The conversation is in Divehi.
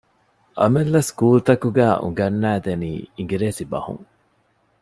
އަމިއްލަ ސްކޫލުތަކުގައި އުނގަންނައިދެނީ އިނގިރޭސި ބަހުން